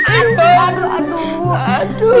aduh aduh aduh